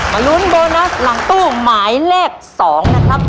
ลุ้นโบนัสหลังตู้หมายเลข๒นะครับ